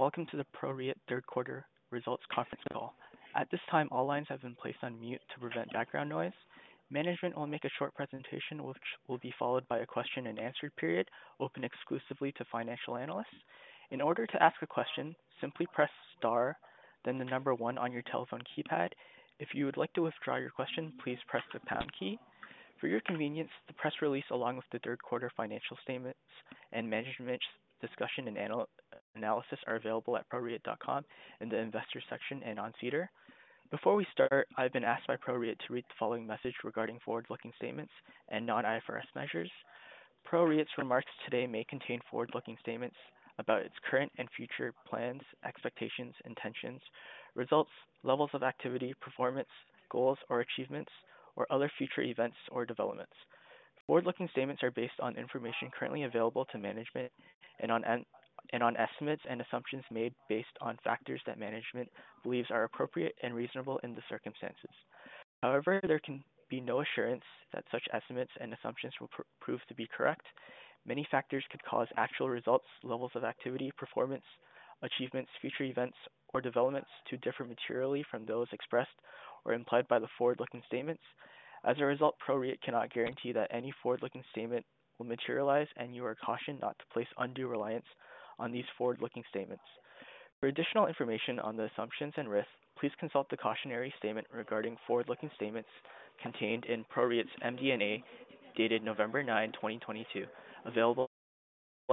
Welcome to the PROREIT third quarter results conference call. At this time, all lines have been placed on mute to prevent background noise. Management will make a short presentation, which will be followed by a question and answer period open exclusively to financial analysts. In order to ask a question, simply press star then the number one on your telephone keypad. If you would like to withdraw your question, please press the pound key. For your convenience, the press release, along with the third quarter financial statements and management's discussion and analysis are available at proreit.com in the investor section and on SEDAR. Before we start, I've been asked by PROREIT to read the following message regarding forward-looking statements and non-IFRS measures. PROREIT's remarks today may contain forward-looking statements about its current and future plans, expectations, intentions, results, levels of activity, performance, goals or achievements or other future events or developments. Forward-looking statements are based on information currently available to management and on estimates and assumptions made based on factors that management believes are appropriate and reasonable in the circumstances. However, there can be no assurance that such estimates and assumptions will prove to be correct. Many factors could cause actual results, levels of activity, performance, achievements, future events or developments to differ materially from those expressed or implied by the forward-looking statements. As a result, PROREIT cannot guarantee that any forward-looking statement will materialize, and you are cautioned not to place undue reliance on these forward-looking statements. For additional information on the assumptions and risks, please consult the cautionary statement regarding forward-looking statements contained in PROREIT's MD&A, dated November 9, 2022, available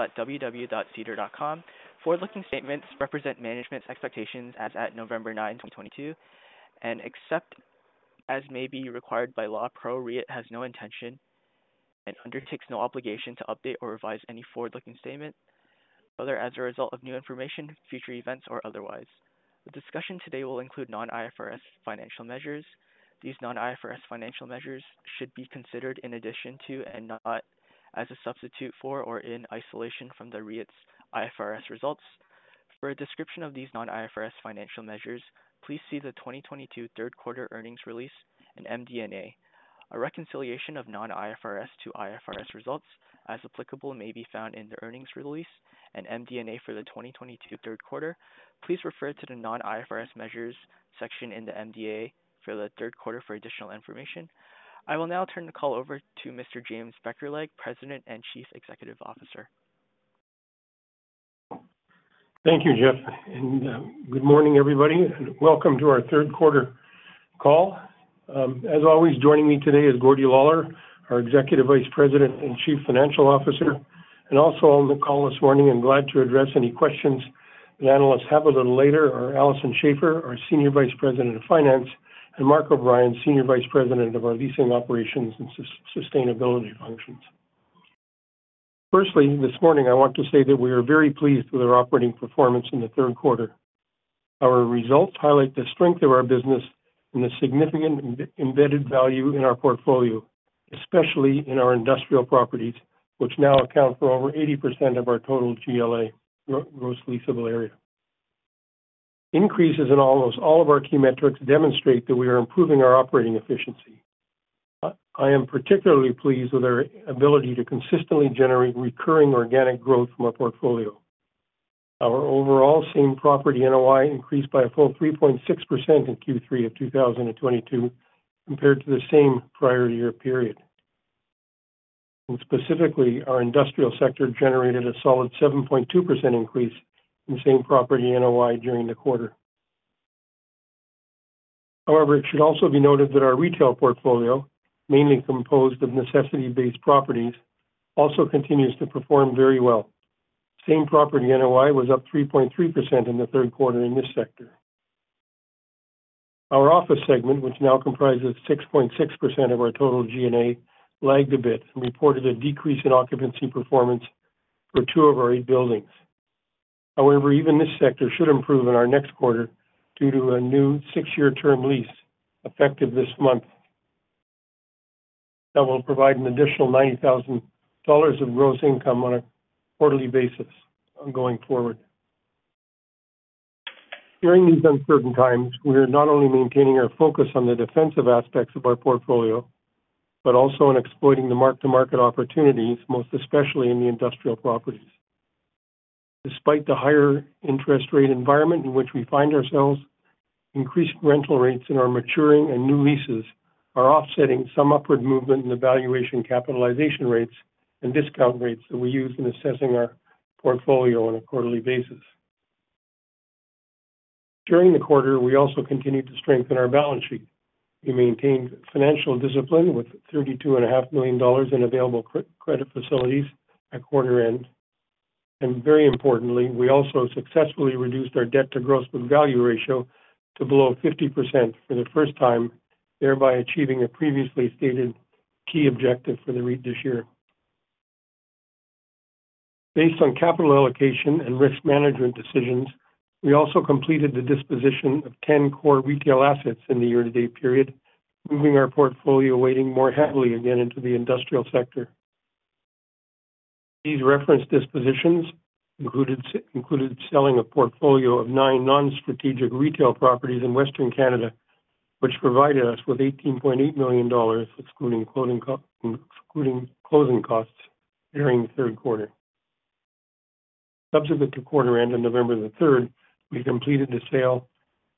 at www.sedar.com. Forward-looking statements represent management's expectations as at November 9, 2022, and except as may be required by law, PROREIT has no intention and undertakes no obligation to update or revise any forward-looking statement, whether as a result of new information, future events or otherwise. The discussion today will include non-IFRS financial measures. These non-IFRS financial measures should be considered in addition to and not as a substitute for or in isolation from the REIT's IFRS results. For a description of these non-IFRS financial measures, please see the 2022 third quarter earnings release and MD&A. A reconciliation of non-IFRS to IFRS results, as applicable, may be found in the earnings release and MD&A for the 2022 third quarter. Please refer to the non-IFRS measures section in the MD&A for the third quarter for additional information. I will now turn the call over to Mr. James Beckerleg, President and Chief Executive Officer. Thank you, Jeff, and good morning, everybody, and welcome to our third quarter call. As always, joining me today is Gordon Lawlor, our Executive Vice President and Chief Financial Officer. Also on the call this morning and glad to address any questions the analysts have a little later are Alison Schafer, our Chief Financial Officer and Secretary, and Mark O'Brien, our Senior Vice President, Leasing, Operations and Sustainability. Firstly, this morning, I want to say that we are very pleased with our operating performance in the third quarter. Our results highlight the strength of our business and the significant embedded value in our portfolio, especially in our industrial properties, which now account for over 80% of our total GLA, Gross Leasable Area. Increases in almost all of our key metrics demonstrate that we are improving our operating efficiency. I am particularly pleased with our ability to consistently generate recurring organic growth from our portfolio. Our overall Same-Property NOI increased by a full 3.6% in Q3 of 2022 compared to the same prior year period. Specifically, our industrial sector generated a solid 7.2% increase in Same-Property NOI during the quarter. However, it should also be noted that our retail portfolio, mainly composed of necessity-based properties, also continues to perform very well. Same-Property NOI was up 3.3% in the third quarter in this sector. Our office segment, which now comprises 6.6% of our total GLA, lagged a bit and reported a decrease in occupancy performance for two of our eight buildings. However, even this sector should improve in our next quarter due to a new six-year term lease effective this month that will provide an additional 90 thousand dollars of gross income on a quarterly basis ongoing forward. During these uncertain times, we are not only maintaining our focus on the defensive aspects of our portfolio, but also on exploiting the mark-to-market opportunities, most especially in the industrial properties. Despite the higher interest rate environment in which we find ourselves, increased rental rates in our maturing and new leases are offsetting some upward movement in the valuation capitalization rates and discount rates that we use in assessing our portfolio on a quarterly basis. During the quarter, we also continued to strengthen our balance sheet. We maintained financial discipline with 32.5 million dollars in available credit facilities at quarter end. Very importantly, we also successfully reduced our debt to gross book value ratio to below 50% for the first time, thereby achieving a previously stated key objective for the REIT this year. Based on capital allocation and risk management decisions, we also completed the disposition of 10 core retail assets in the year-to-date period, moving our portfolio weighting more heavily again into the industrial sector. These referenced dispositions included selling a portfolio of 9 non-strategic retail properties in Western Canada, which provided us with 18.8 million dollars, excluding closing costs during the third quarter. Subsequent to quarter end on November the third, we completed the sale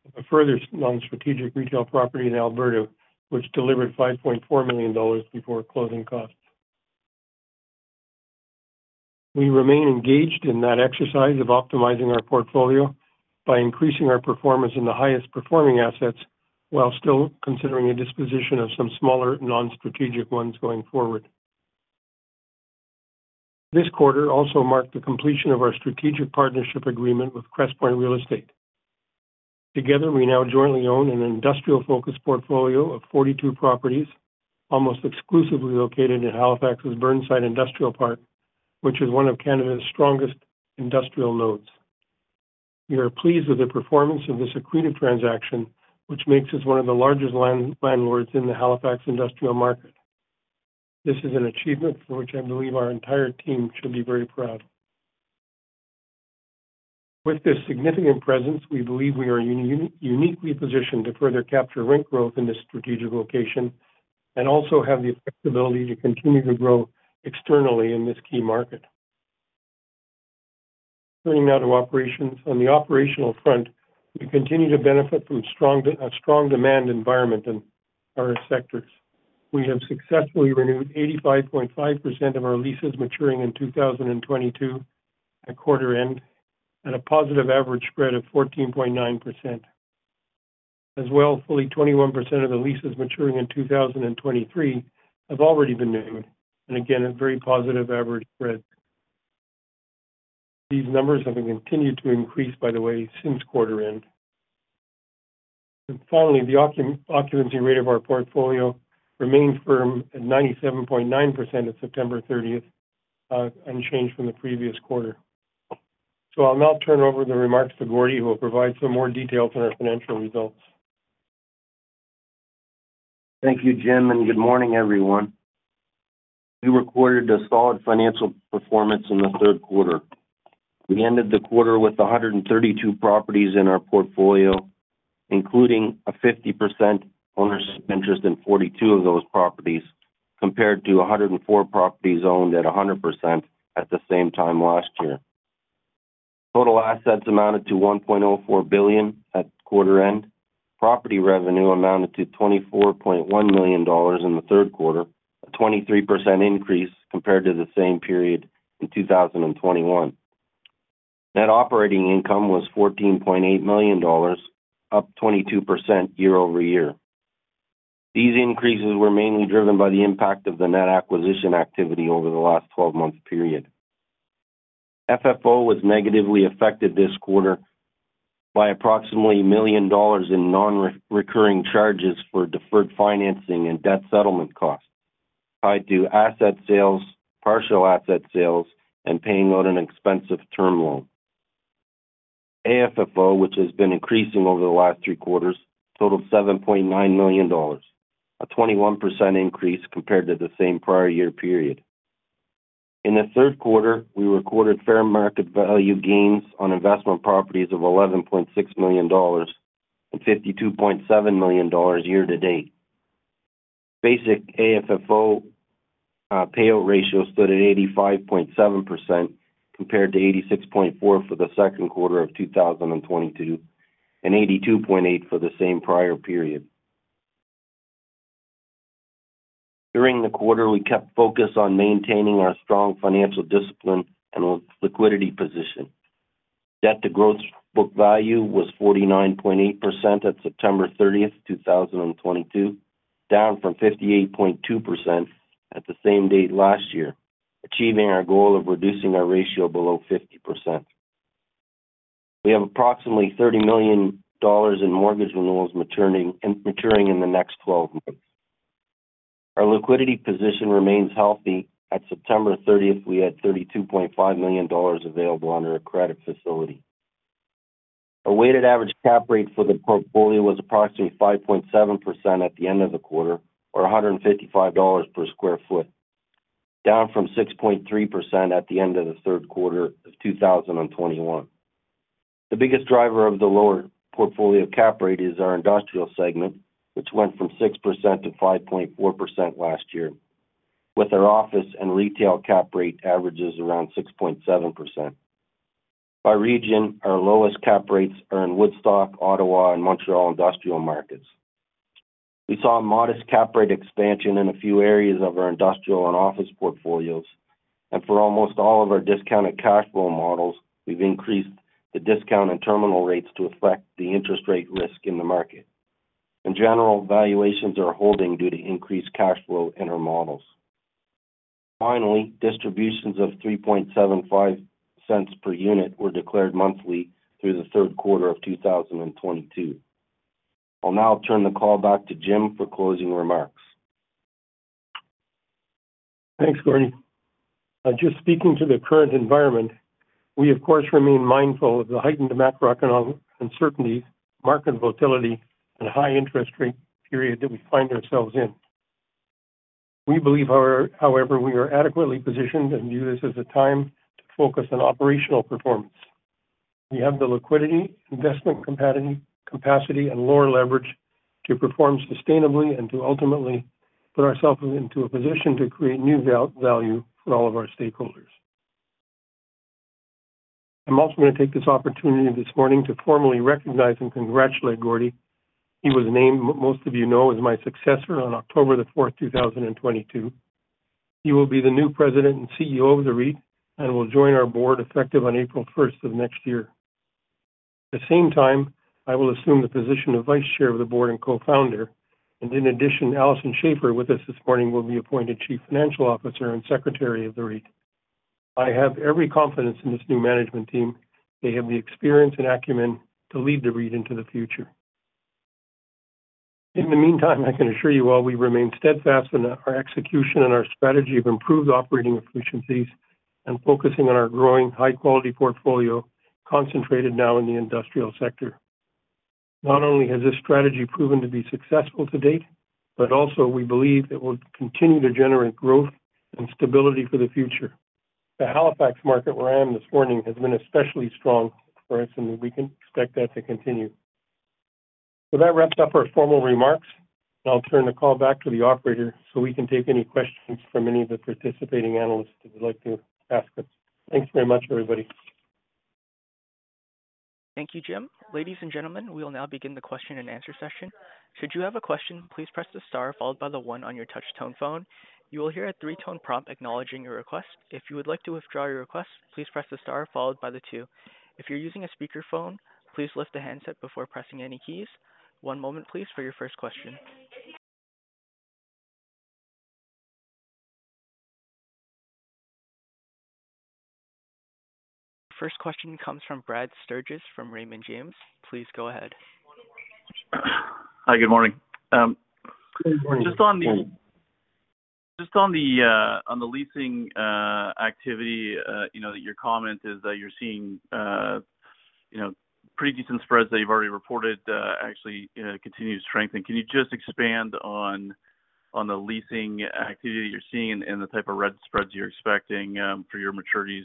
of a further non-strategic retail property in Alberta, which delivered 5.4 million dollars before closing costs. We remain engaged in that exercise of optimizing our portfolio by increasing our performance in the highest performing assets while still considering a disposition of some smaller non-strategic ones going forward. This quarter also marked the completion of our strategic partnership agreement with Crestpoint Real Estate. Together, we now jointly own an industrial-focused portfolio of 42 properties, almost exclusively located in Halifax's Burnside Industrial Park, which is one of Canada's strongest industrial nodes. We are pleased with the performance of this accretive transaction, which makes us one of the largest landlords in the Halifax industrial market. This is an achievement for which I believe our entire team should be very proud. With this significant presence, we believe we are uniquely positioned to further capture rent growth in this strategic location and also have the ability to continue to grow externally in this key market. Turning now to operations. On the operational front, we continue to benefit from a strong demand environment in our sectors. We have successfully renewed 85.5% of our leases maturing in 2022 at quarter end at a positive average spread of 14.9%. As well, fully 21% of the leases maturing in 2023 have already been renewed, and again, at very positive average spread. These numbers have continued to increase, by the way, since quarter end. Finally, the occupancy rate of our portfolio remains firm at 97.9% at September 30th, unchanged from the previous quarter. I'll now turn over the remarks to Gordie, who will provide some more details on our financial results. Thank you, Jim, and good morning, everyone. We recorded a solid financial performance in the third quarter. We ended the quarter with 132 properties in our portfolio, including a 50% ownership interest in 42 of those properties, compared to 104 properties owned at 100% at the same time last year. Total assets amounted to 1.04 billion at quarter end. Property revenue amounted to 24.1 million dollars in the third quarter, a 23% increase compared to the same period in 2021. Net operating income was 14.8 million dollars, up 22% year-over-year. These increases were mainly driven by the impact of the net acquisition activity over the last 12-month period. FFO was negatively affected this quarter by approximately 1 million dollars in nonrecurring charges for deferred financing and debt settlement costs tied to asset sales, partial asset sales, and paying out an expensive term loan. AFFO, which has been increasing over the last three quarters, totaled 7.9 million dollars, a 21% increase compared to the same prior year period. In the third quarter, we recorded fair market value gains on investment properties of 11.6 million dollars and 52.7 million dollars yea- to-date. Basic AFFO payout ratio stood at 85.7% compared to 86.4% for the second quarter of 2022 and 82.8% for the same prior period. During the quarter, we kept focus on maintaining our strong financial discipline and liquidity position. Debt to Gross Book Value was 49.8% at September 30, 2022, down from 58.2% at the same date last year, achieving our goal of reducing our ratio below 50%. We have approximately 30 million dollars in mortgage renewals maturing in the next 12 months. Our liquidity position remains healthy. At September 30, we had 32.5 million dollars available under a credit facility. A weighted average cap rate for the portfolio was approximately 5.7% at the end of the quarter or 155 dollars per sq ft, down from 6.3% at the end of the third quarter of 2021. The biggest driver of the lower portfolio cap rate is our industrial segment, which went from 6% to 5.4% last year, with our office and retail cap rate averages around 6.7%. By region, our lowest cap rates are in Woodstock, Ottawa, and Montreal industrial markets. We saw a modest cap rate expansion in a few areas of our industrial and office portfolios, and for almost all of our discounted cash flow models, we've increased the discount in terminal rates to reflect the interest rate risk in the market. In general, valuations are holding due to increased cash flow in our models. Finally, distributions of 0.0375 per unit were declared monthly through the third quarter of 2022. I'll now turn the call back to Jim for closing remarks. Thanks, Gordie. Just speaking to the current environment, we of course remain mindful of the heightened macroeconomic uncertainties, market volatility and high interest rate period that we find ourselves in. We believe, however, we are adequately positioned and view this as a time to focus on operational performance. We have the liquidity, investment capacity, and lower leverage to perform sustainably and to ultimately put ourselves into a position to create new value for all of our stakeholders. I'm also going to take this opportunity this morning to formally recognize and congratulate Gordie. He was named, most of you know, as my successor on October the fourth, two thousand and twenty-two. He will be the new President and CEO of the REIT and will join our board effective on April first of next year. At the same time, I will assume the position of Vice Chair of the Board and Co-Founder. In addition, Alison Schafer, with us this morning, will be appointed Chief Financial Officer and Secretary of the REIT. I have every confidence in this new management team. They have the experience and acumen to lead the REIT into the future. In the meantime, I can assure you all we remain steadfast in our execution and our strategy of improved operating efficiencies and focusing on our growing high-quality portfolio, concentrated now in the industrial sector. Not only has this strategy proven to be successful to date, but also we believe it will continue to generate growth and stability for the future. The Halifax market, where I am this morning, has been especially strong for us, and we can expect that to continue. That wraps up our formal remarks. I'll turn the call back to the operator, so we can take any questions from any of the participating analysts that would like to ask us. Thanks very much, everybody. Thank you, Jim. Ladies and gentlemen, we will now begin the question-and-answer session. Should you have a question, please press the star followed by the one on your touch tone phone. You will hear a three-tone prompt acknowledging your request. If you would like to withdraw your request, please press the star followed by the two. If you're using a speakerphone, please lift the handset before pressing any keys. One moment, please, for your first question. First question comes from Brad Sturges from Raymond James. Please go ahead. Hi. Good morning. Good morning. Just on the leasing activity, you know, that your comment is that you're seeing, you know, pretty decent spreads that you've already reported, actually, continue to strengthen. Can you just expand on the leasing activity you're seeing and the type of rent spreads you're expecting for your maturities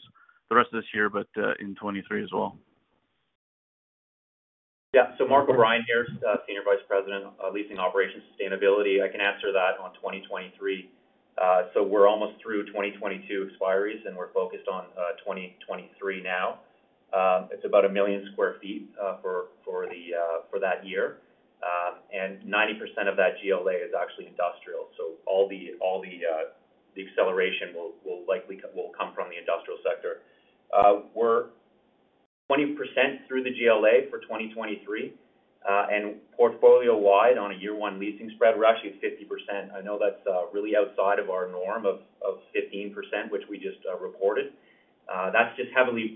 the rest of this year but in 2023 as well? Yeah. Mark O'Brien here, Senior Vice President of Leasing, Operations and Sustainability. I can answer that on 2023. We're almost through 2022 expiries, and we're focused on 2023 now. It's about 1 million sq ft for that year. 90% of that GLA is actually industrial. All the acceleration will likely come from the industrial sector. We're 20% through the GLA for 2023. Portfolio-wide, on a year-one leasing spread, we're actually at 50%. I know that's really outside of our norm of 15%, which we just reported. That's just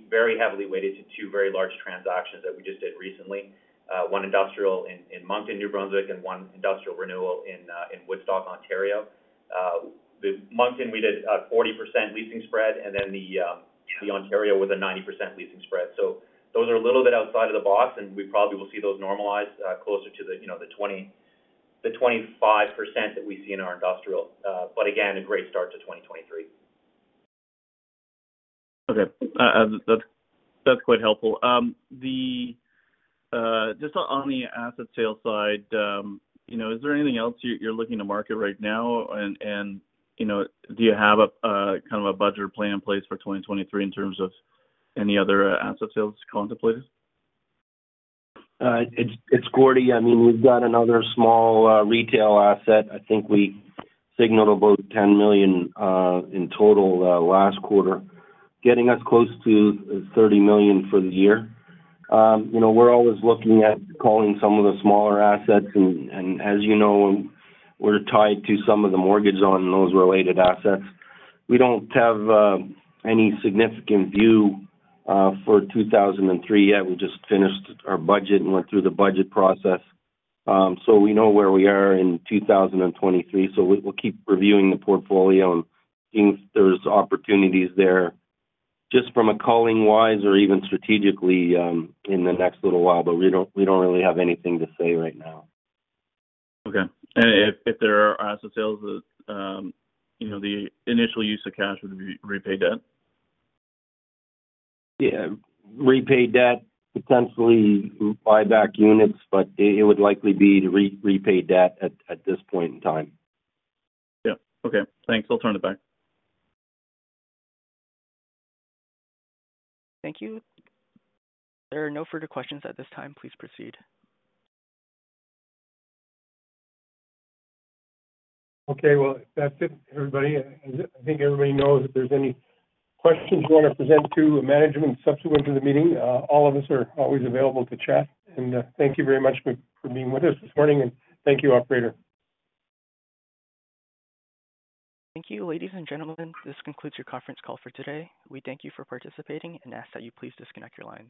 very heavily weighted to two very large transactions that we just did recently. One industrial in Moncton, New Brunswick, and one industrial renewal in Woodstock, Ontario. The Moncton we did a 40% leasing spread, and then the Ontario with a 90% leasing spread. Those are a little bit outside of the box, and we probably will see those normalize closer to the, you know, 25% that we see in our industrial. Again, a great start to 2023. Okay. That's quite helpful. Just on the asset sales side, you know, is there anything else you're looking to market right now? You know, do you have a kind of a budget or plan in place for 2023 in terms of any other asset sales contemplated? It's Gordie. I mean, we've got another small retail asset. I think we signaled about 10 million in total last quarter, getting us close to 30 million for the year. You know, we're always looking at culling some of the smaller assets. As you know, we're tied to some of the mortgage on those related assets. We don't have any significant view for 2024 yet. We just finished our budget and went through the budget process. We know where we are in 2023, so we'll keep reviewing the portfolio and seeing if there's opportunities there, just from a culling-wise or even strategically in the next little while. We don't really have anything to say right now. Okay. If there are asset sales that, you know, the initial use of cash would be repay debt? Yeah. Repay debt, potentially buy back units, but it would likely be to repay debt at this point in time. Yeah. Okay. Thanks. I'll turn it back. Thank you. There are no further questions at this time. Please proceed. Okay. Well, that's it, everybody. I think everybody knows if there's any questions you wanna present to management subsequent to the meeting, all of us are always available to chat. Thank you very much for being with us this morning. Thank you, operator. Thank you. Ladies and gentlemen, this concludes your conference call for today. We thank you for participating and ask that you please disconnect your lines.